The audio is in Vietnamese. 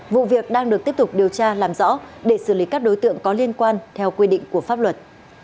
vụ việc đang được tiếp tục điều tra làm rõ để xử lý các đối tượng có liên quan theo quy định của pháp luật